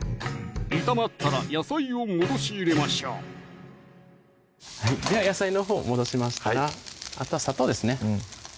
炒まったら野菜を戻し入れましょうでは野菜のほう戻しましたらあとは砂糖ですね